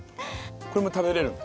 これも食べれるんだ。